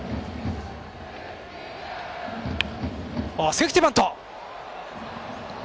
セーフティーバント。